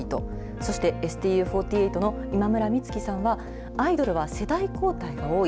そして、ＳＴＵ４８の今村美月さんは、アイドルは世代交代が多い。